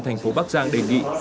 thành phố bắc giang đề nghị